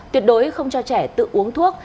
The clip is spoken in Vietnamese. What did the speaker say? tuyệt đối không cho trẻ tự uống thuốc